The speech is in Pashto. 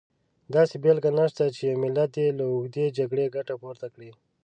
داسې بېلګه نشته چې یو ملت دې له اوږدې جګړې ګټه پورته کړي.